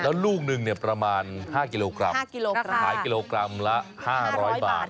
แล้วลูกนึงประมาณ๕กิโลกรัมราคา๕๐๐บาท